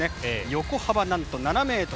横幅、なんと７ｍ。